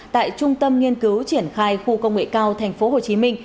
tại trung tâm nghiên cứu triển khai khu công nghệ cao tp hcm